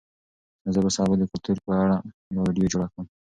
زه به سبا د کلتور په اړه یوه ویډیو جوړه کړم.